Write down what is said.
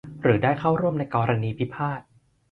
หรือได้เข้าร่วมในกรณีพิพาท